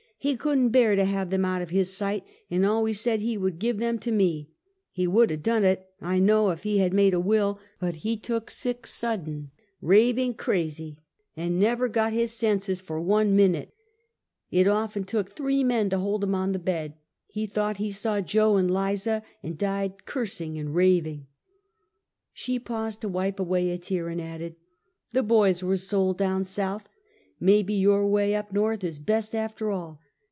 He could n't bear to have them out of his sight, and always said he would give them to me. He would have done it, I know, if he had made a will; but he took sick sudden, raving crazy, Habitations of Hoeeid Ceueltt. 55 and never got his senses for one minute. It often took three men to hold him on the bed. He thought he saw Jo and Liza, and died cursing and raving," She paused to wipe away a tear, and added :" The boys were sold down South. Maybe your way, up Korth, is best, after all.